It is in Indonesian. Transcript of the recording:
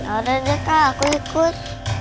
udah deh kak aku ikut